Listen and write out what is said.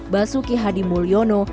basuki hadi mulyono